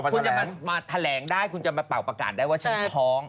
คุณจะมาแถลงได้คุณจะมาเป่าประกาศได้ว่าฉันท้อง